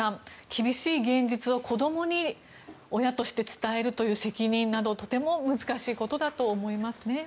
厳しい現実を子供に親として伝えるという責任などとても難しいことだと思いますね。